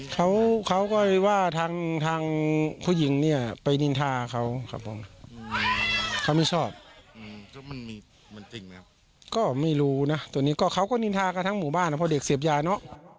เขาเขาก็ว่าทางทางผู้หญิงเนี่ยไปนินทาเขาครับผมเขาไม่ชอบก็ไม่รู้นะตอนนี้ก็เขาก็นินทากับทั้งหมู่บ้านนะพอเด็กเสียบยาเนอะ